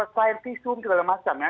science vision dan semacamnya